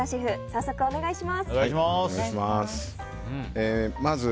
早速お願いします。